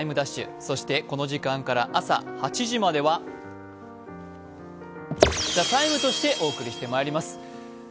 そして、この時間から朝８時までは「ＴＨＥＴＩＭＥ，」としてお送りしてまいります。